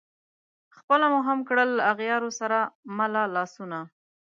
خلپو مو هم کړل له اغیارو سره مله لاسونه